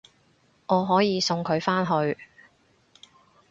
我可以送佢返去